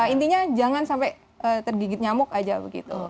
intinya jangan sampai tergigit nyamuk aja begitu